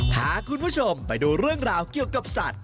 พาคุณผู้ชมไปดูเรื่องราวเกี่ยวกับสัตว์